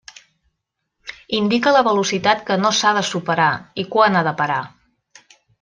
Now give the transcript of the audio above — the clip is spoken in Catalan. Indica la velocitat que no s'ha de superar, i quan ha de parar.